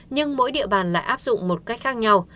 nhưng mỗi địa bàn lại áp dụng một cách khác nhau